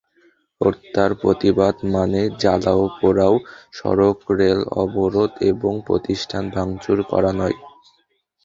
হত্যার প্রতিবাদ মানে জ্বালাও-পোড়াও, সড়ক-রেল অবরোধ এবং প্রতিষ্ঠান ভাঙচুর করা নয়।